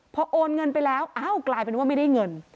พอโอนเงินไปแล้วอ้าวกลายเป็นว่าไม่ได้เงิน